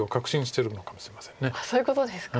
そういうことですか？